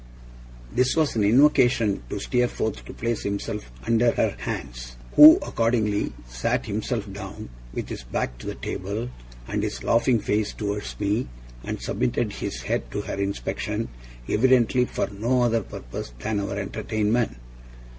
This was an invocation to Steerforth to place himself under her hands; who, accordingly, sat himself down, with his back to the table, and his laughing face towards me, and submitted his head to her inspection, evidently for no other purpose than our entertainment.